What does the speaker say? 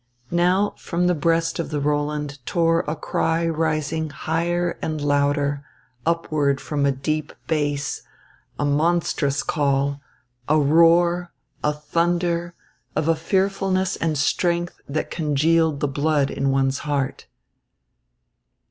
Now, from the breast of the Roland, tore a cry rising higher and louder, upward from a deep bass, a monstrous call, a roar, a thunder, of a fearfulness and strength that congealed the blood in one's heart.